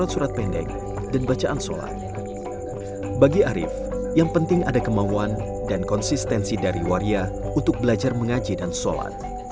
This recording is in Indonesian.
untuk surat surat pendek dan bacaan sholat bagi arief yang penting ada kemauan dan konsistensi dari waria untuk belajar mengaji dan sholat